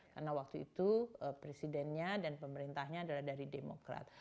karena waktu itu presidennya dan pemerintahnya adalah dari demokrat